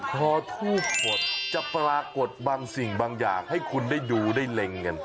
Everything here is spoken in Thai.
พอทูบหมดจะปรากฏบางสิ่งบางอย่างให้คุณได้ดูได้เล็งกัน